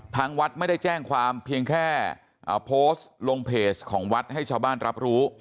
ทางวัดไม่ได้แจ้งความเพียงแค่โพสต์ลงเพจของวัดให้ชาวบ้านรับรู้